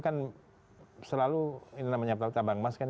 kan selalu ini namanya tabang emas kan